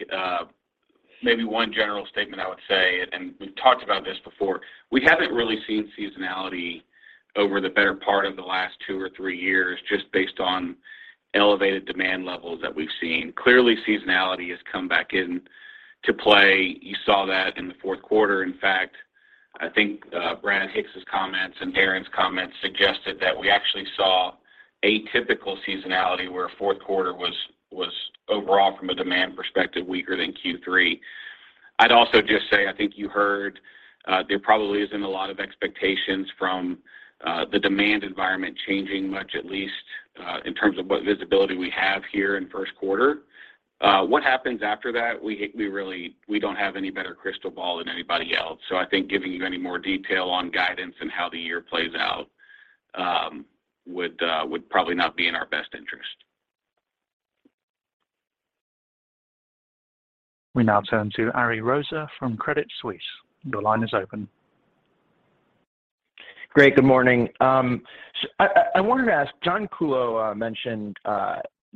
maybe one general statement I would say, and we've talked about this before, we haven't really seen seasonality over the better part of the last two or three years just based on elevated demand levels that we've seen. Clearly, seasonality has come back in to play. You saw that in the fourth quarter. In fact, I think Brandon Hicks's comments and Darren's comments suggested that we actually saw atypical seasonality, where fourth quarter was overall from a demand perspective, weaker than Q3. I'd also just say, I think you heard there probably isn't a lot of expectations from the demand environment changing much, at least in terms of what visibility we have here in first quarter. What happens after that, we don't have any better crystal ball than anybody else. I think giving you any more detail on guidance and how the year plays out, would probably not be in our best interest. We now turn to Ariel Rosa from Credit Suisse. Your line is open. Great. Good morning. I wanted to ask, John Kuhlow mentioned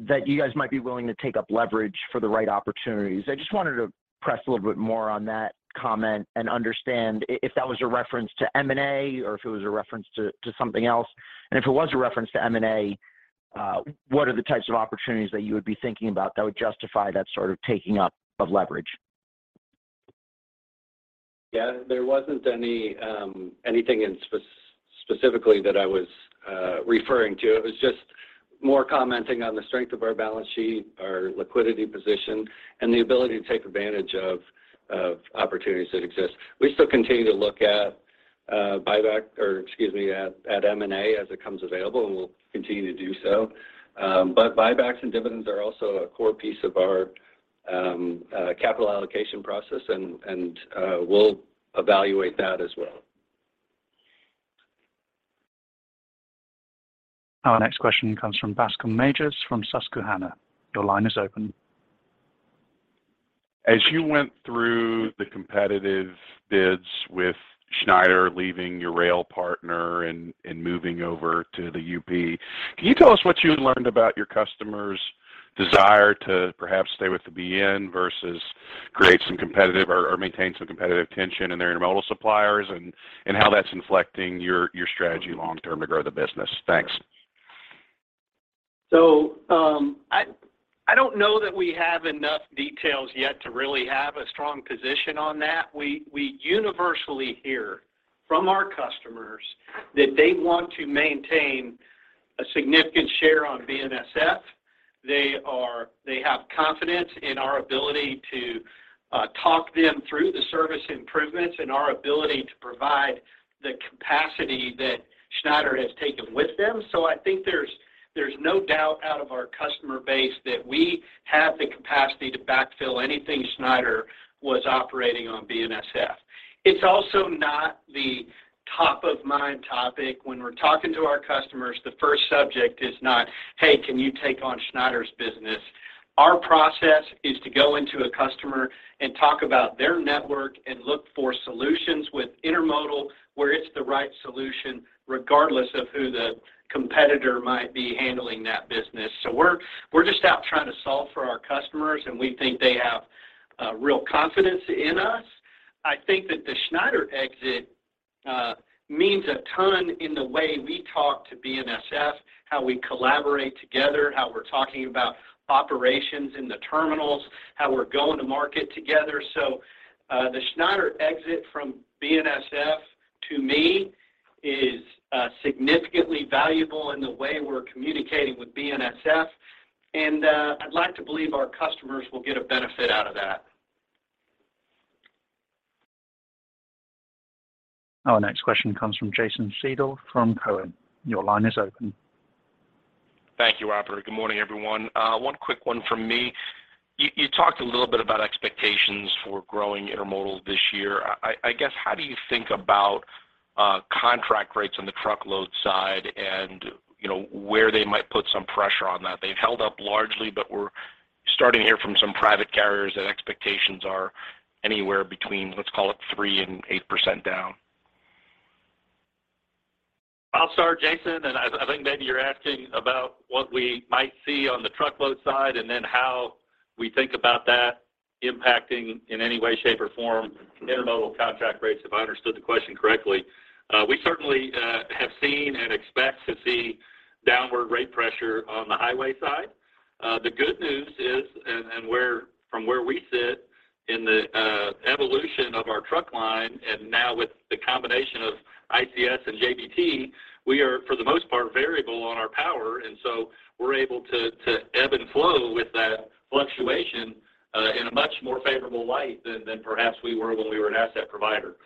that you guys might be willing to take up leverage for the right opportunities. I just wanted to press a little bit more on that comment and understand if that was a reference to M&A or if it was a reference to something else. If it was a reference to M&A, what are the types of opportunities that you would be thinking about that would justify that sort of taking up of leverage? There wasn't any specifically that I was referring to. It was just more commenting on the strength of our balance sheet, our liquidity position, and the ability to take advantage of opportunities that exist. We still continue to look at M&A as it comes available. We'll continue to do so. Buybacks and dividends are also a core piece of our capital allocation process and we'll evaluate that as well. Our next question comes from Bascome Majors from Susquehanna. Your line is open. As you went through the competitive bids with Schneider leaving your rail partner and moving over to the UP, can you tell us what you learned about your customers' desire to perhaps stay with the BN versus create some competitive or maintain some competitive tension in their intermodal suppliers and how that's inflicting your strategy long term to grow the business? Thanks. I don't know that we have enough details yet to really have a strong position on that. We universally hear from our customers that they want to maintain a significant share on BNSF. They have confidence in our ability to talk them through the service improvements and our ability to provide the capacity that Schneider has taken with them. I think there's no doubt out of our customer base that we have the capacity to backfill anything Schneider was operating on BNSF. It's also not the top-of-mind topic. When we're talking to our customers, the first subject is not, "Hey, can you take on Schneider's business?" Our process is to go into a customer and talk about their network and look for solutions with intermodal where it's the right solution, regardless of who the competitor might be handling that business. We're just out trying to solve for our customers, and we think they have real confidence in us. I think that the Schneider exit means a ton in the way we talk to BNSF, how we collaborate together, how we're talking about operations in the terminals, how we're going to market together. The Schneider exit from BNSF to me is significantly valuable in the way we're communicating with BNSF, and I'd like to believe our customers will get a benefit out of that. Our next question comes from Jason Seidl from Cowen. Your line is open. Thank you, operator. Good morning, everyone. One quick one from me. You talked a little bit about expectations for growing intermodal this year. I guess, how do you think about contract rates on the truckload side and, you know, where they might put some pressure on that? They've held up largely, but we're starting to hear from some private carriers that expectations are anywhere between, let's call it 3% and 8% down. I'll start, Jason, and I think maybe you're asking about what we might see on the truckload side and then how we think about that impacting in any way, shape, or form intermodal contract rates, if I understood the question correctly. We certainly have seen and expect to see downward rate pressure on the highway side. The good news is and where from where we sit in the evolution of our truck line and now with the combination of ICS and JBT, we are, for the most part, variable on our power, and so we're able to ebb and flow with that fluctuation in a much more favorable light than perhaps we were when we were an asset provider.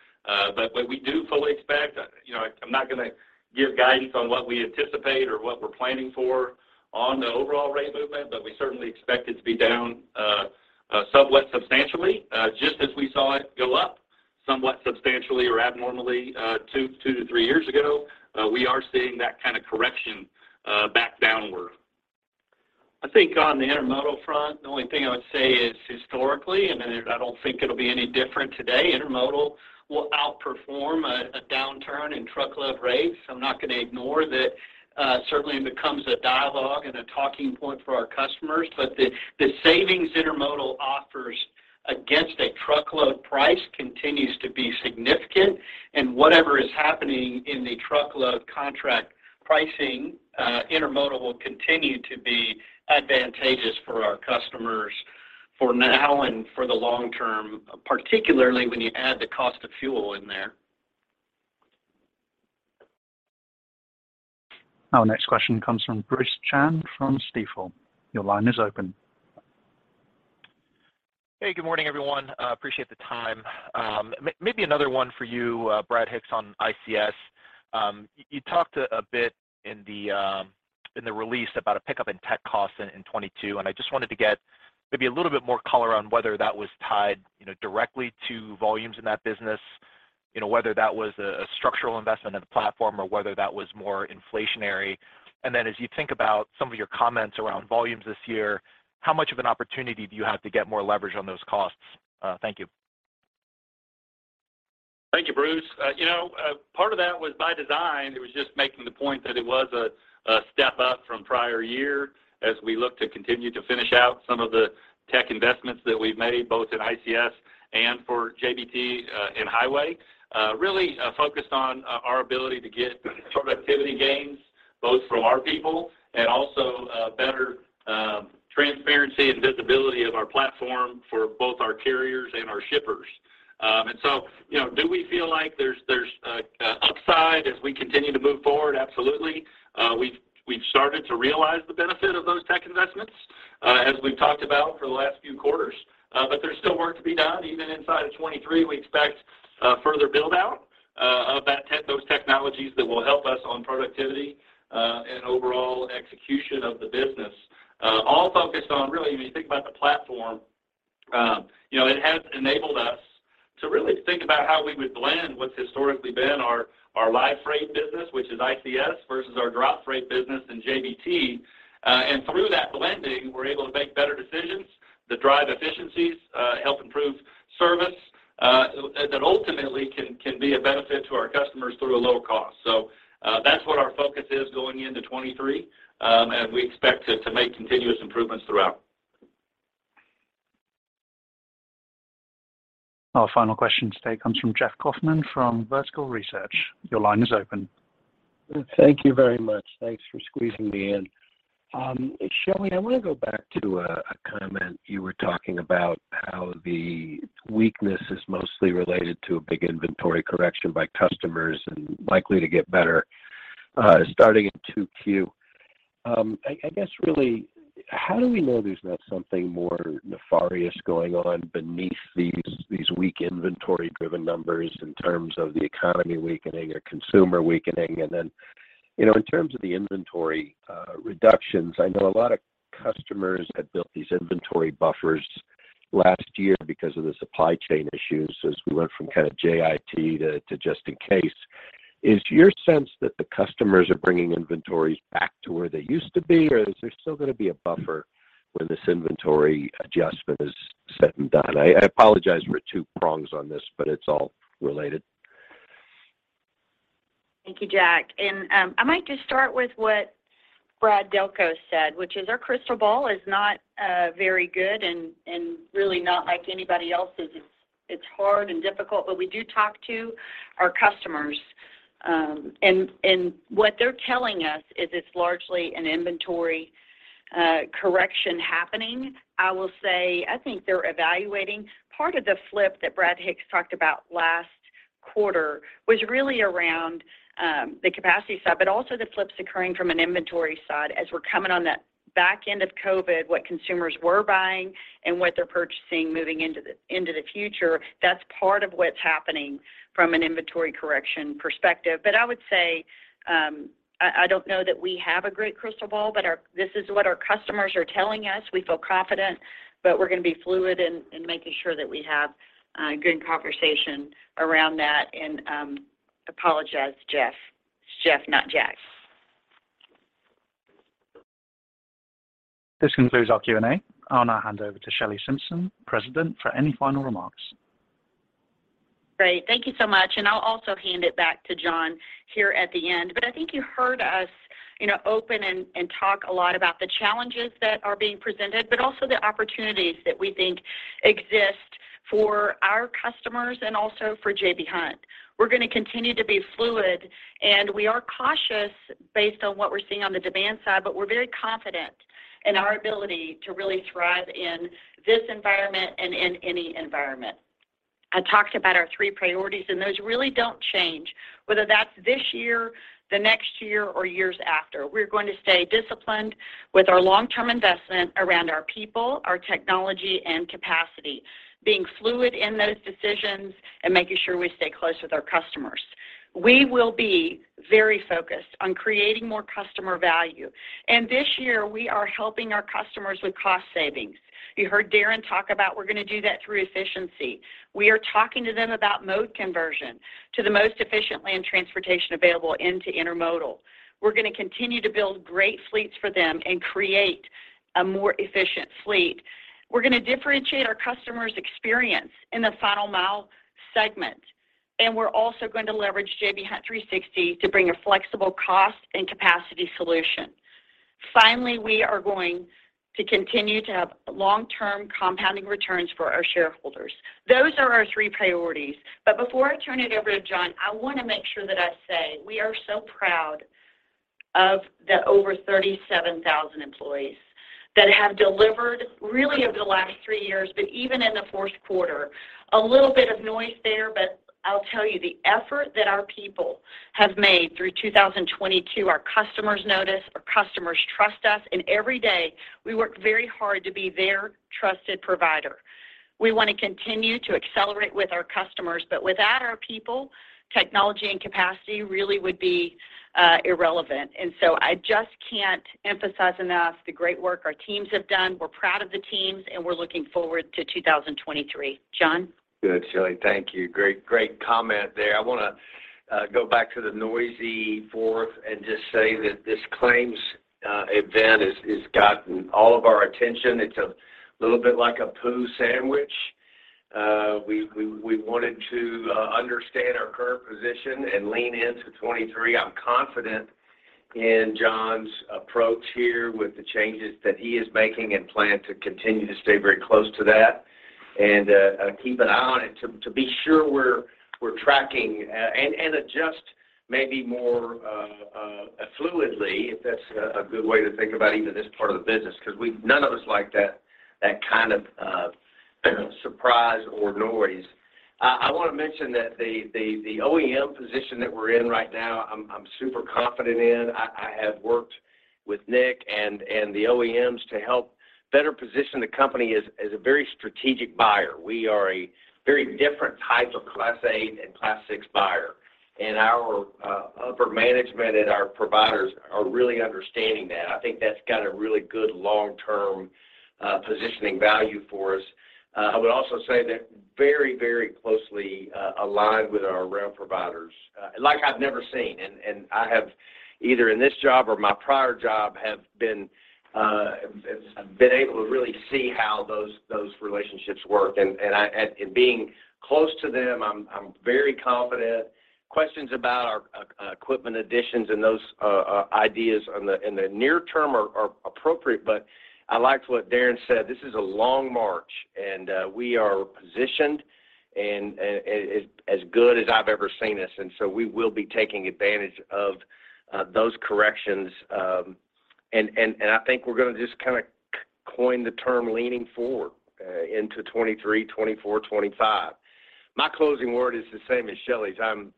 We do fully expect, you know, I'm not gonna give guidance on what we anticipate or what we're planning for on the overall rate movement, but we certainly expect it to be down somewhat substantially, just as we saw it go up somewhat substantially or abnormally 2 to 3 years ago. We are seeing that kind of correction back downward. I think on the intermodal front, the only thing I would say is historically, and I don't think it'll be any different today, intermodal will outperform a downturn in truckload rates. I'm not gonna ignore that, certainly it becomes a dialogue and a talking point for our customers. The savings intermodal offers against a truckload price continues to be significant, and whatever is happening in the truckload contract pricing, intermodal will continue to be advantageous for our customers for now and for the long term, particularly when you add the cost of fuel in there. Our next question comes from Bruce Chan from Stifel. Your line is open. Hey, good morning, everyone. Appreciate the time. Maybe another one for you, Brad Hicks, on ICS. You talked a bit in the release about a pickup in tech costs in 2022. I just wanted to get maybe a little bit more color on whether that was tied, you know, directly to volumes in that business, you know, whether that was a structural investment in the platform or whether that was more inflationary. As you think about some of your comments around volumes this year, how much of an opportunity do you have to get more leverage on those costs? Thank you. Thank you, Bruce. You know, part of that was by design. It was just making the point that it was a step up from prior year as we look to continue to finish out some of the tech investments that we've made, both at ICS and for JBT in highway. Really focused on our ability to get productivity gains both from our people and also better Transparency and visibility of our platform for both our carriers and our shippers. You know, do we feel like there's upside as we continue to move forward? Absolutely. We've started to realize the benefit of those tech investments as we've talked about for the last few quarters. There's still work to be done. Even inside of 2023, we expect further build-out of those technologies that will help us on productivity and overall execution of the business. All focused on really when you think about the platform, you know, it has enabled us to really think about how we would blend what's historically been our less freight business, which is ICS, versus our drop freight business in JBT. Through that blending, we're able to make better decisions that drive efficiencies, help improve service that ultimately can be a benefit to our customers through a lower cost. That's what our focus is going into 2023, and we expect to make continuous improvements throughout. Our final question today comes from Jeff Kauffman from Vertical Research. Your line is open. Thank you very much. Thanks for squeezing me in. Shelley, I wanna go back to a comment you were talking about how the weakness is mostly related to a big inventory correction by customers and likely to get better, starting in 2Q. I guess really how do we know there's not something more nefarious going on beneath these weak inventory-driven numbers in terms of the economy weakening or consumer weakening? You know, in terms of the inventory reductions, I know a lot of customers had built these inventory buffers last year because of the supply chain issues, as we learned from kind of JIT to just in case. Is your sense that the customers are bringing inventories back to where they used to be, or is there still gonna be a buffer when this inventory adjustment is said and done? I apologize for two prongs on this. It's all related. Thank you, Jeff. I might just start with what Brad Delco said, which is our crystal ball is not very good and really not like anybody else's. It's hard and difficult, but we do talk to our customers. What they're telling us is it's largely an inventory correction happening. I will say, I think they're evaluating. Part of the flip that Brad Hicks talked about last quarter was really around the capacity side, but also the flips occurring from an inventory side. As we're coming on the back end of COVID, what consumers were buying and what they're purchasing moving into the future, that's part of what's happening from an inventory correction perspective. I would say, I don't know that we have a great crystal ball, but this is what our customers are telling us. We feel confident, but we're gonna be fluid in making sure that we have good conversation around that. Apologize, Jeff. It's Jeff, not Jack. This concludes our Q&A. I'll now hand over to Shelley Simpson, President, for any final remarks. Great. Thank you so much. I'll also hand it back to John here at the end. I think you heard us, you know, open and talk a lot about the challenges that are being presented, but also the opportunities that we think exist for our customers and also for J.B. Hunt. We're gonna continue to be fluid. We are cautious based on what we're seeing on the demand side, but we're very confident in our ability to really thrive in this environment and in any environment. I talked about our three priorities. Those really don't change, whether that's this year, the next year, or years after. We're going to stay disciplined with our long-term investment around our people, our technology, and capacity, being fluid in those decisions and making sure we stay close with our customers. We will be very focused on creating more customer value. This year we are helping our customers with cost savings. You heard Darren talk about we're gonna do that through efficiency. We are talking to them about mode conversion to the most efficient land transportation available into intermodal. We're gonna continue to build great fleets for them and create a more efficient fleet. We're gonna differentiate our customers' experience in the final mile segment, and we're also going to leverage J.B. Hunt 360 to bring a flexible cost and capacity solution. Finally, we are going to continue to have long-term compounding returns for our shareholders. Those are our 3 priorities. Before I turn it over to John, I wanna make sure that I say we are so proud of the over 37,000 employees that have delivered really over the last three years, but even in the fourth quarter. A little bit of noise there, I'll tell you, the effort that our people have made through 2022, our customers notice, our customers trust us, Every day we work very hard to be their trusted provider. We wanna continue to accelerate with our customers, Without our people, technology and capacity really would be irrelevant. I just can't emphasize enough the great work our teams have done. We're proud of the teams, We're looking forward to 2023. John? Good, Shelley. Thank you. Great, great comment there. I wanna go back to the noisy fourth and just say that this claims event has gotten all of our attention. It's a little bit like a poo sandwich. We wanted to understand our current position and lean into 2023. I'm confident in John's approach here with the changes that he is making and plan to continue to stay very close to that' Keep an eye on it to be sure we're tracking and adjust maybe more fluidly, if that's a good way to think about even this part of the business because none of us like that kind of surprise or noise. I wanna mention that the OEM position that we're in right now, I'm super confident in. I have worked with Nick and the OEMs to help better position the company as a very strategic buyer. We are a very different type of Class 8 and Class 6 buyer. Our upper management and our providers are really understanding that. I think that's got a really good long-term positioning value for us. I would also say they're very, very closely aligned with our rail providers, like I've never seen. I have either in this job or my prior job, have been able to really see how those relationships work. Being close to them, I'm very confident. Questions about our equipment additions and those ideas in the near term are appropriate, but I liked what Darren said. This is a long march, and we are positioned as good as I've ever seen us, and so we will be taking advantage of those corrections. I think we're gonna just kinda coin the term leaning forward into 2023, 2024, 2025. My closing word is the same as Shelley's. I'm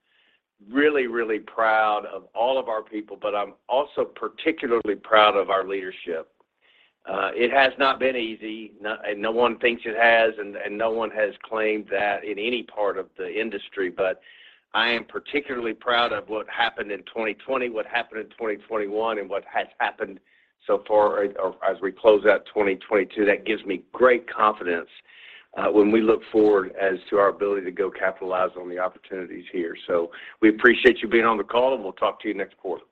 really, really proud of all of our people, but I'm also particularly proud of our leadership. It has not been easy. No one thinks it has, and no one has claimed that in any part of the industry. I am particularly proud of what happened in 2020, what happened in 2021, and what has happened so far or as we close out 2022. That gives me great confidence when we look forward as to our ability to go capitalize on the opportunities here. We appreciate you being on the call, and we'll talk to you next quarter.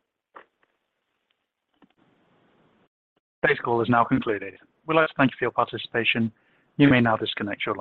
Today's call is now concluded. We'd like to thank you for your participation. You may now disconnect your line.